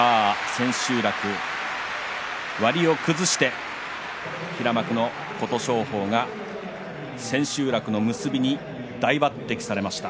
千秋楽割を崩して平幕の琴勝峰が千秋楽の結びに大抜てきされました。